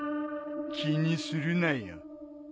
気にするなよ。